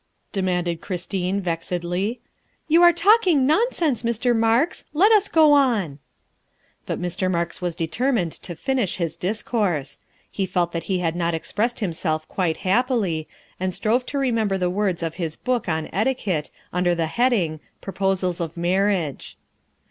demanded Christine vexedly. ' You are talking nonsense, Mr. Marks. Let us go on. '' But Mr. Marks was determined to finish his discourse". He felt that he had not expressed himself quite happily, and strove to remember the words of his book on eti quette, under the heading, " Proposals of Marriage."